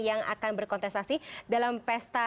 yang akan berkontestasi dalam pesta